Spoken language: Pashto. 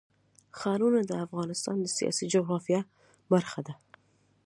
ښارونه د افغانستان د سیاسي جغرافیه برخه ده.